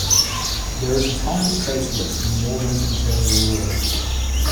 There is a tiny craterlet in the northern interior wall.